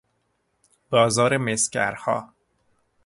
بازار مسگرها